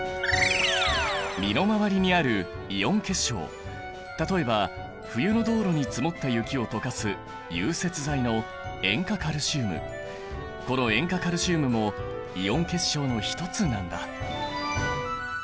身の回りにあるイオン結晶例えば冬の道路に積もった雪をとかすこの塩化カルシウムもイオン結晶の一つなんだ。